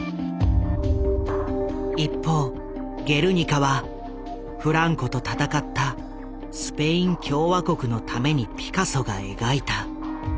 一方「ゲルニカ」はフランコと戦ったスペイン共和国のためにピカソが描いた。